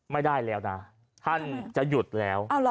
ไม่ได้แล้วนะท่านจะหยุดแล้ว